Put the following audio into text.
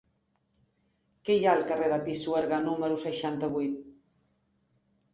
Què hi ha al carrer del Pisuerga número seixanta-vuit?